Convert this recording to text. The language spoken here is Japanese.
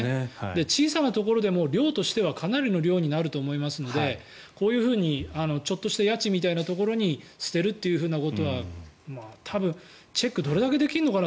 小さなところでも量としてはかなりの量になると思いますのでこういうふうにちょっとした谷地みたいなところに捨てるということはチェックどれだけできるのか